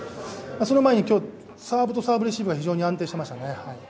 その前に今日、サーブとサーブレシーブが非常に安定してましたね。